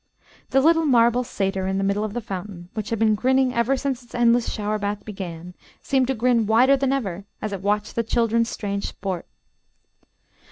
The little marble satyr in the middle of the fountain, which had been grinning ever since its endless shower bath began, seemed to grin wider than ever, as it watched the children's strange sport.